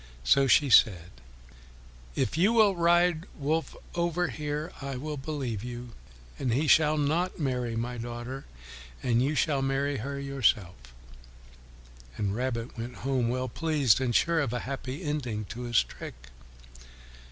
So she said, "If you will ride Wolf over here I will believe you, and he shall not marry my daughter, and you shall marry her yourself." And Rabbit went home well pleased and sure of a happy ending to his trick.